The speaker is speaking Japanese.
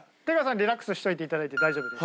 リラックスしておいていただいて大丈夫です。